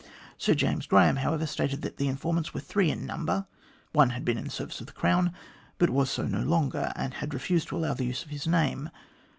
Sir James Graham, however, stated that the informants were three in number. One had been in the service of the Crown, but was so no longer, and had refused to allow the use of his name.